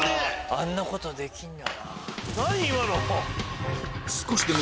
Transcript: あんなことできんだ。